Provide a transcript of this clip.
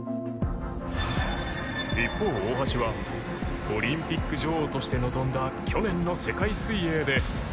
一方大橋はオリンピック女王として臨んだ去年の世界水泳で